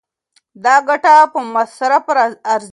دا ګټه په مصرف ارزي.